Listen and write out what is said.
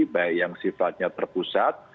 baik yang sifatnya terpusat